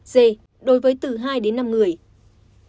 d đối với từ hai đến năm người